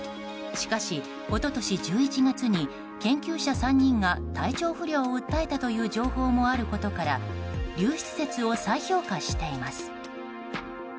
しかし、一昨年１１月に研究者３人が体調不良を訴えたという情報もあることから流出説を再評価しています。